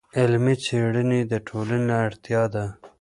علمي څېړنې د ټولنې اړتیا ده.